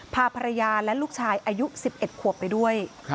พาภรรยาและลูกชายอายุ๑๑ขวบไปด้วย